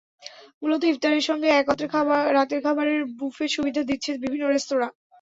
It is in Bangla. মূলত ইফতারের সঙ্গে একত্রে রাতের খাবারের ব্যুফে সুবিধা দিচ্ছে বিভিন্ন রেস্তোরাঁ।